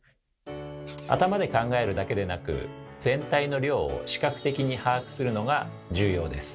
頭で考えるだけでなく全体の量を視覚的に把握するのが重要です。